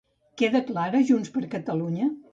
Què declara Junts per Catalunya?